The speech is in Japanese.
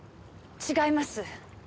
違います。